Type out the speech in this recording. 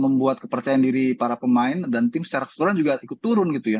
membuat kepercayaan diri para pemain dan tim secara keseluruhan juga ikut turun gitu ya